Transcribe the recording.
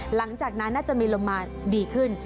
หลังจากนั้นน่าจะมีลมมาดีขึ้น